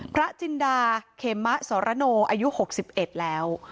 พระจินดาเขมะสรโนอายุ๖๑แล้ว